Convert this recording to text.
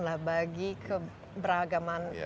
lah bagi keberagaman